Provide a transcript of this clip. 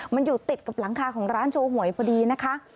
มันอยู่ติดกับหลังคาของร้านโชว์หวยพอดีนะคะ